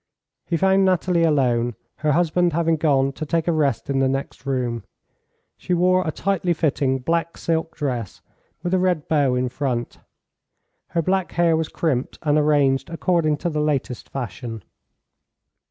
He found Nathalie alone, her husband having gone to take a rest in the next room. She wore a tightly fitting black silk dress, with a red bow in front. Her black hair was crimped and arranged according to the latest fashion.